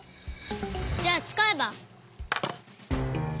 じゃあつかえば。